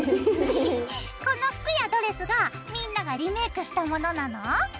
この服やドレスがみんながリメイクしたものなの？